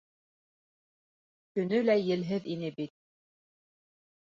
Төнө лә елһеҙ ине бит.